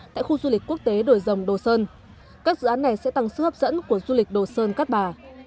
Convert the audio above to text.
tại khu du lịch quốc tế đồi dòng đồ sơn các dự án này sẽ tăng sức hấp dẫn của du lịch đồ sơn cat ba